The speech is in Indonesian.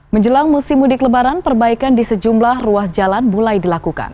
menjelang musim mudik lebaran perbaikan di sejumlah ruas jalan mulai dilakukan